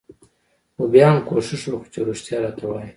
خو بيا هم کوښښ وکه چې رښتيا راته وايې.